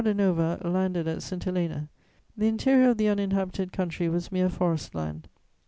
] When João de Nova landed at St. Helena, the interior of the uninhabited country was mere forest land.